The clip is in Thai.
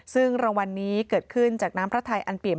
ซึ่งรางวัลนี้เกิดขึ้นจากน้ำพระไทยอันเปี่ย